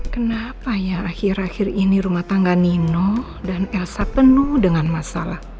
kenapa ya akhir akhir ini rumah tangga nino dan elsa penuh dengan masalah